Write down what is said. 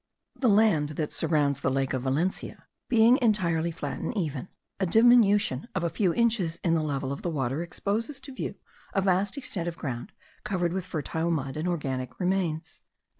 The land that surrounds the lake of Valencia being entirely flat and even, a diminution of a few inches in the level of the water exposes to view a vast extent of ground covered with fertile mud and organic remains.